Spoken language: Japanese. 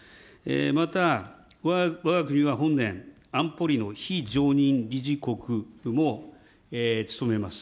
また、わが国は本年、安保理の非常任理事国も務めます。